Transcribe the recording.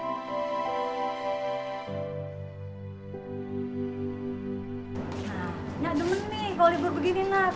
nah nyademen nih kalo libur begini nak jalan sama lo